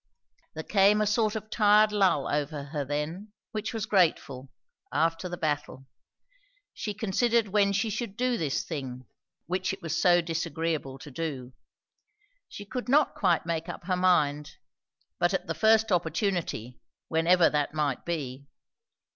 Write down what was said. There came a sort of tired lull over her then, which was grateful, after the battle. She considered when she should do this thing, which it was so disagreeable to do. She could not quite make up her mind; but at the first opportunity, whenever that might be.